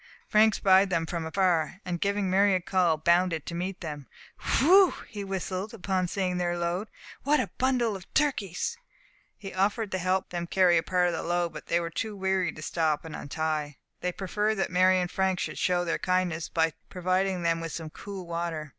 Frank spied them from afar, and giving Mary a call, bounded to meet them. "Whew!" he whistled, on seeing their load, "what a bundle of turkeys!" He offered to help them carry a part of the load, but they were too weary to stop and untie. They preferred that Mary and Frank should show their kindness, by providing them with some cool water.